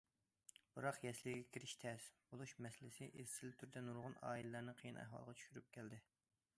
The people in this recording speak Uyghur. بىراق،« يەسلىگە كىرىش تەس» بولۇش مەسىلىسى ئىزچىل تۈردە نۇرغۇن ئائىلىلەرنى قىيىن ئەھۋالغا چۈشۈرۈپ كەلدى.